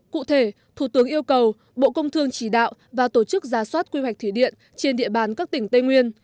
cụ thể thủ tướng yêu cầu bộ công thương chỉ đạo và tổ chức ra soát quy hoạch thủy điện trên địa bàn các tỉnh tây nguyên